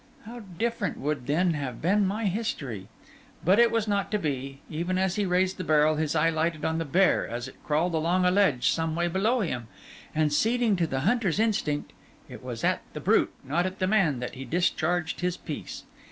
How different would then have been my history! But it was not to be: even as he raised the barrel, his eye lighted on the bear, as it crawled along a ledge some way below him; and ceding to the hunters instinct, it was at the brute, not at the man, that he discharged his piece.